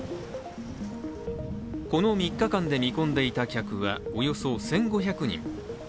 この３日間で見込んでいた客はおよそ１５００人。